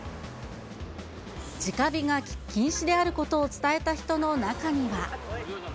じか火が禁止であることを伝えた人の中には。